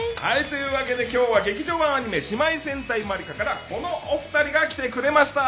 というわけで今日は劇場版アニメ「姉妹戦隊マリカ」からこのお二人が来てくれました。